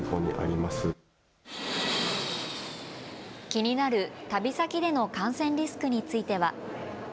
気になる旅先での感染リスクについては。